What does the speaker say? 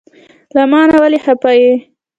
له مانه ولې خفه یی؟